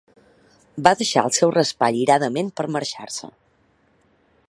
Va deixar el seu raspall iradament per marxar-se.